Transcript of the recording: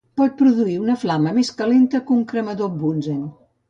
Pot produir una flama més calenta que un cremador Bunsen.